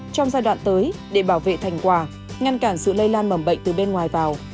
trong giai đoạn tới để bảo vệ thành quả ngăn cản sự lây lan mầm bệnh từ bên ngoài vào